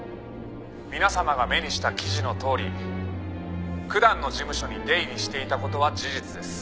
「皆様が目にした記事のとおりくだんの事務所に出入りしていた事は事実です」